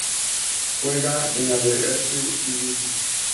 Juega en la Eerste Divisie.